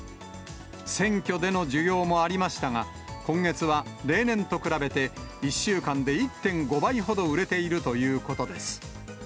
選挙での需要もありましたが、今月は例年と比べて、１週間で１．５倍ほど売れているということです。